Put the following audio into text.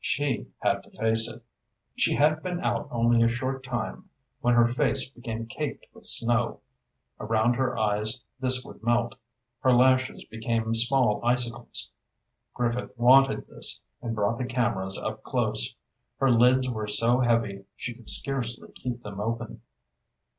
She had to face it. She had been out only a short time when her face became caked with snow. Around her eyes this would melt—her lashes became small icicles. Griffith wanted this, and brought the cameras up close. Her lids were so heavy she could scarcely keep them open.